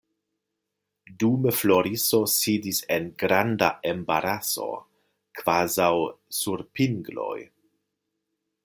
Dume Floriso sidis en granda embaraso, kvazaŭ sur pingloj.